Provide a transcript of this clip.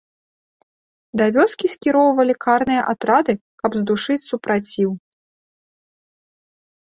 Да вёскі скіроўвалі карныя атрады, каб здушыць супраціў.